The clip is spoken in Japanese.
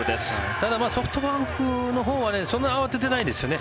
ただソフトバンクのほうはそんなに慌ててないですよね。